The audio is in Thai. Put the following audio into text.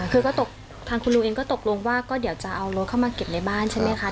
คือก็ตกทางคุณลุงเองก็ตกลงว่าก็เดี๋ยวจะเอารถเข้ามาเก็บในบ้านใช่ไหมคะ